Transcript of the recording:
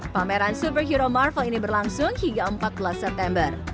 pameran superhero marvel ini berlangsung hingga empat belas september